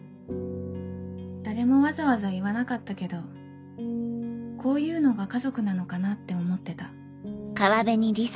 誰もわざわざ言わなかったけどこういうのが家族なのかなって思ってた。